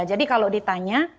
jadi kalau ditanya